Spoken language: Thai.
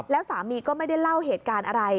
แล้วสามีก็ไม่ได้เล่าเหตุการณ์อะไร